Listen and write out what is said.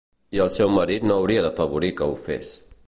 I el seu marit no hauria d'afavorir que ho fes.